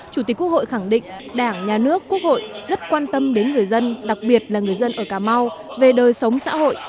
chủ tịch quốc hội khẳng định đảng nhà nước quốc hội rất quan tâm đến người dân đặc biệt là người dân ở cà mau về đời sống xã hội